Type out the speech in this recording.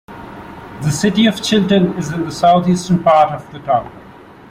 The city of Chilton is in the southeastern part of the town.